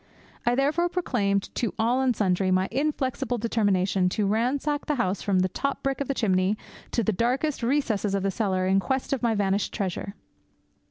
I therefore proclaimed to all and sundry my inflexible determination to ransack the house from the top brick of the chimney to the darkest recesses of the cellar in quest of my vanished treasure.